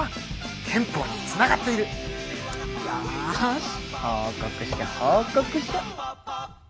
よし報告書報告書。